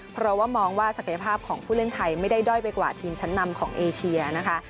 เพราะว่ามองว่าศักยภาพของผู้เล่นไทยไม่ได้ด้อยไปกว่าทีมชั้นนำของเอเชียนะคะ